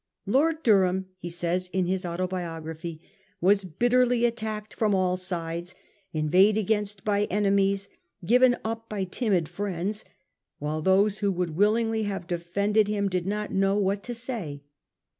' Lord Durham,' he says in his Autobiography, ' was bitterly attacked from all sides, inveighed against by enemies, given up by timid friends ; while those who would willingly have defended him did not know what to say.